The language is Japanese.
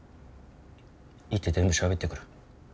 行って全部しゃべってくる。